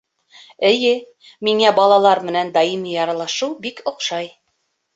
Эйе, миңә балалар менән даими аралашыу бик оҡшай.